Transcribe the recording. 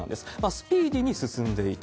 スピーディーに進んでいた。